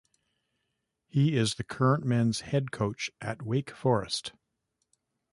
He is the current men's head coach at Wake Forest.